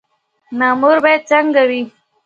مامور باید څنګه وي؟